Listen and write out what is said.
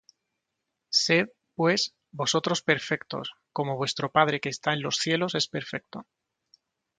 Sed, pues, vosotros perfectos, como vuestro Padre que está en los cielos es perfecto.